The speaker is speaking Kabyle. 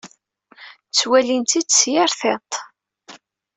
Ttwalin-tent-id s yir tiṭ.